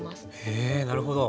へえなるほど。